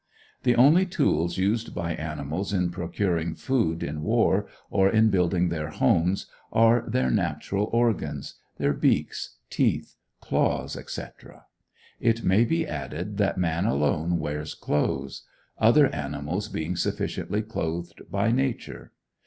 The only tools used by animals in procuring food, in war, or in building their homes, are their natural organs: their beaks, teeth, claws, etc. It may be added that man alone wears clothes; other animals being sufficiently clothed by nature.